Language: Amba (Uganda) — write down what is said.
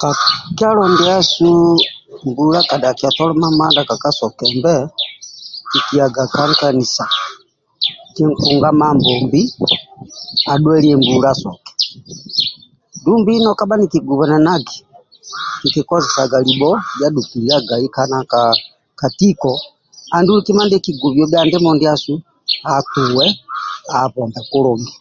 Ka kyalo ndiasu mbula ka dhakia tolo mamadha kekasokembe kikiyaga ka nkanisa kinkunga Mambombi adhuelie mbula asoke dumbi no kabha nikigubanagi kikikozesaga libho ya dhukiliagai ka tiko dumbi kima ndie kigubio atuwe abombe kulungi